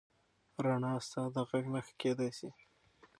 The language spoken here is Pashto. رڼا ستا د غږ نښه کېدی شي.